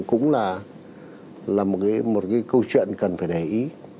cũng là một câu chuyện cần phải để ý